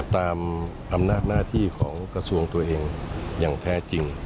ตามอำนาจหน้าที่ของกระทรวงตัวเองอย่างแท้จริง